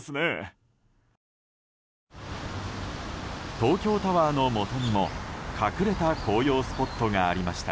東京タワーのもとにも隠れた紅葉スポットがありました。